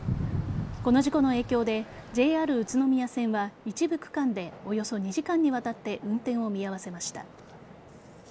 この事故の影響でＪＲ宇都宮線は一部区間でおよそ２時間にわたって運転を見合わせました。